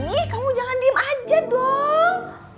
nih kamu jangan diem aja dong